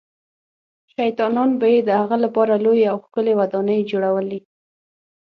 شیطانان به یې د هغه لپاره لویې او ښکلې ودانۍ جوړولې.